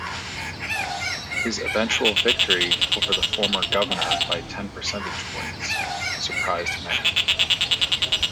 His eventual victory over the former governor by ten percentage points surprised many.